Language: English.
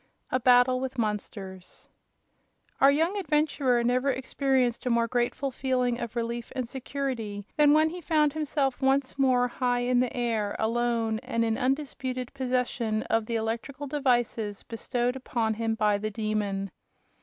A Battle with Monsters Our young adventurer never experienced a more grateful feeling of relief and security than when he found himself once more high in the air, alone, and in undisputed possession of the electrical devices bestowed upon him by the Demon.